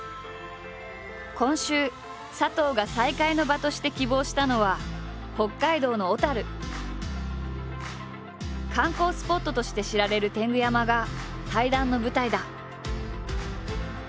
今週佐藤が再会の場として希望したのは観光スポットとして知られる天狗山が対談の舞台だ。